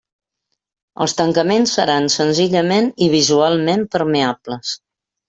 Els tancaments seran senzillament i visualment permeables.